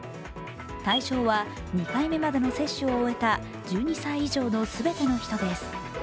対象は２回目までの接種を終えた１２歳以上の全ての人です。